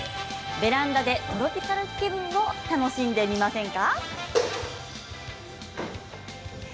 ベランダでトロピカル気分を楽しんでみませんか？